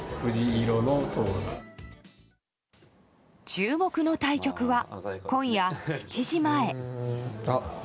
注目の対局は今夜７時前。